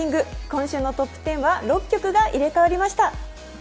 今週のトップ１０は６曲が入れ代わりました。